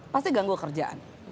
pasti ganggu kerjaan